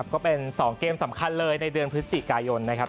ก็เป็น๒เกมสำคัญเลยในเดือนพฤศจิกายนนะครับ